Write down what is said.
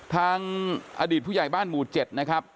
ทางอดีตผู้ใหญ่บ้านหมู่๗นะครับ